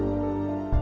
saya tidak tahu